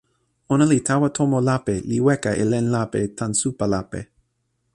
ona li tawa tomo lape, li weka e len lape tan supa lape.